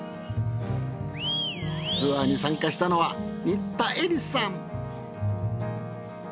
ツアーに参加したのは新田恵利さん。